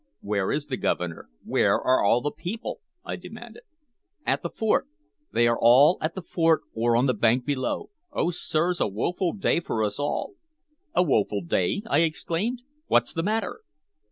"Where is the Governor? Where are all the people?" I demanded. "At the fort. They are all at the fort or on the bank below. Oh, sirs, a woeful day for us all!" "A woeful day!" I exclaimed. "What's the matter?"